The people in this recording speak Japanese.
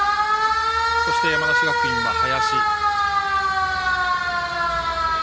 そして、山梨学院は林。